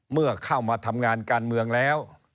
เมื่อเข้ามาทำงานการเมืองแล้ว